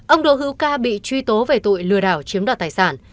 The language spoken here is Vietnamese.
ông đỗ hữu ca bị truy tố về tội lừa đảo chiếm đoạt tài sản